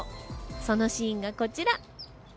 そのシーンがこちら。